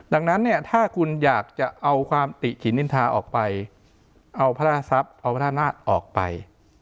ดังนั้นเนี่ยถ้าคุณอยากจะเอาความติขินนินทาออกไปเอาพระราชทรัพย์เอาพระธานาศออกไป